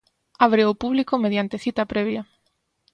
Abre ao público mediante cita previa.